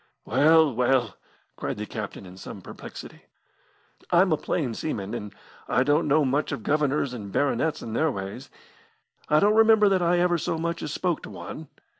"Well, well!" cried the captain in some perplexity, "I'm a plain seaman, and I don't know much of governors and baronets and their ways. I don't remember that I ever so much as spoke to one.